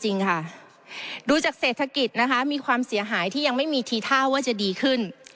จริงค่ะดูจากเศรษฐกิจนะคะมีความเสียหายที่ยังไม่มีทีท่าว่าจะดีขึ้น